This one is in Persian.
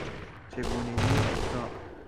چگونگی اوضاع